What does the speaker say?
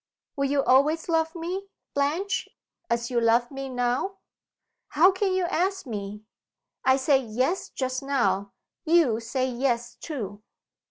"Will you always love me, Blanche, as you love me now?" "How can you ask me!" "I said Yes just now. You say Yes too."